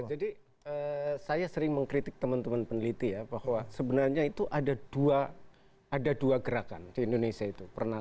jadi saya sering mengkritik teman teman peneliti ya bahwa sebenarnya itu ada dua gerakan di indonesia itu